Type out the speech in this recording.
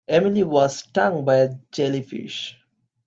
Emily was stung by a jellyfish.